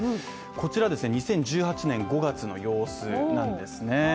２０１８年５月の様子なんですね。